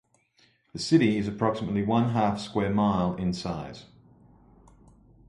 The city is approximately one half square mile in size.